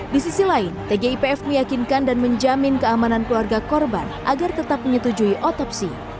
di sisi lain tgipf meyakinkan dan menjamin keamanan keluarga korban agar tetap menyetujui otopsi